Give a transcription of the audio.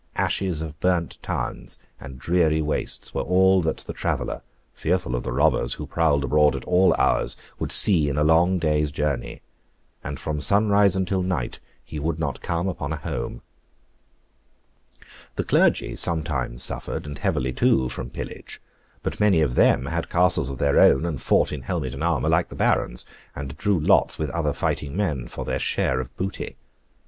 Ashes of burnt towns, and dreary wastes, were all that the traveller, fearful of the robbers who prowled abroad at all hours, would see in a long day's journey; and from sunrise until night, he would not come upon a home. The clergy sometimes suffered, and heavily too, from pillage, but many of them had castles of their own, and fought in helmet and armour like the barons, and drew lots with other fighting men for their share of booty.